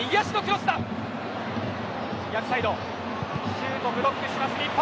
シュートをブロックします日本。